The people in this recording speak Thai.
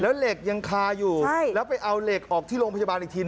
แล้วเหล็กยังคาอยู่แล้วไปเอาเหล็กออกที่โรงพยาบาลอีกที